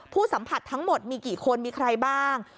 สัมผัสทั้งหมดมีกี่คนมีใครบ้าง